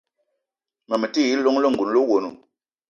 Ma me ti yi llong lengouna le owono.